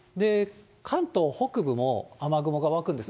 関東北部も雨雲が湧くんです。